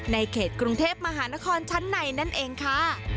ในเขตกรุงเทพมหานครชั้นในนั่นเองค่ะ